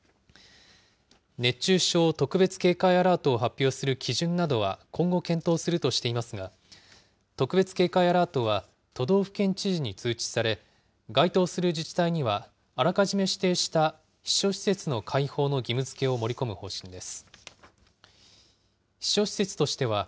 熱中症特別警戒アラートを発表する基準などは、今後検討するとしていますが、特別警戒アラートは都道府県知事に通知され、該当する自治体にはあらかじめ指定した避暑施設の開放の義務づけを盛り込む方針です。